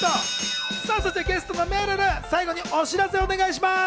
ゲストのめるる、最後にお知らせをお願いします。